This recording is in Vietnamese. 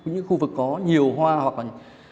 những khu vực có nhiều hoa hoặc là